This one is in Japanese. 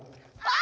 あ！